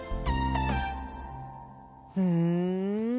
ふん。